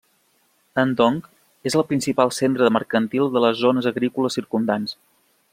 Andong és el principal centre mercantil de les zones agrícoles circumdants.